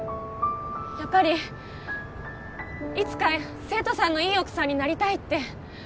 やっぱりいつか晴太さんのいい奥さんになりたいって